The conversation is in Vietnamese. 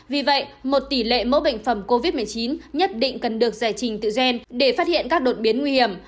vì vậy một tỷ lệ mẫu bệnh phẩm covid một mươi chín nhất định cần được giải trình tự gen để phát hiện các đột biến nguy hiểm